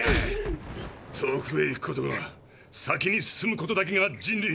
遠くへ行くことが先に進むことだけが人類の道ではない！